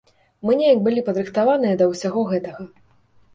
Мы неяк былі падрыхтаваныя да ўсяго гэтага.